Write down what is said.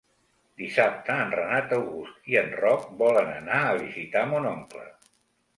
Dissabte en Renat August i en Roc volen anar a visitar mon oncle.